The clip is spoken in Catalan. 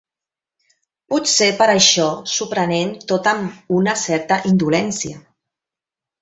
Potser per això s'ho prenen tot amb una certa indolència.